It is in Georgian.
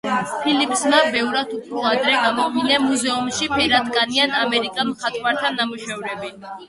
ფილიპსმა ბევრად უფრო ადრე გამოფინა მუზეუმში ფერადკანიან ამერიკელ მხატვართა ნამუშევრები.